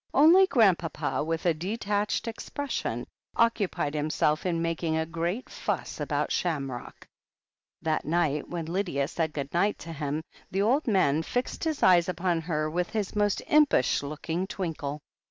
Only Grandpapa, with a detached expression, occu pied himself in making a great fuss about Shamrock. That night, when Lydia said good night to him, the old man fixed his eyes upon her with his most impish looking twinkle.